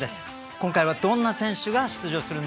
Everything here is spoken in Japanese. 今回はどんな選手が出場するんでしょうか？